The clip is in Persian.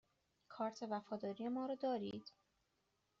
کارت وفاداری ما را دارید؟